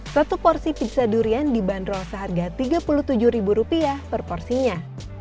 satu porsi pizza durian dibanderol seharga rp tiga puluh tujuh per porsinya